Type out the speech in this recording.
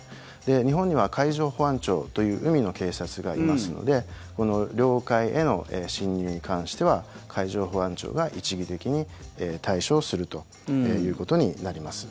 日本には海上保安庁という海の警察がいますので領海への侵入に関しては海上保安庁が一義的に対処をするということになります。